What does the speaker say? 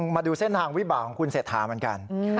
มาดูเส้นทางวิบากของคุณเศรษฐาเหมือนกัน